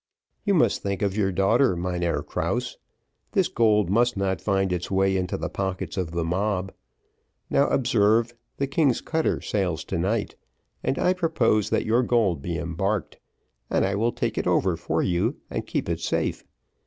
"You must think of your daughter, Mynheer Krause. This gold must not find its way into the pockets of the mob. Now, observe, the king's cutter sails to night, and I propose that your gold be embarked, and I will take it over for you and keep it safe.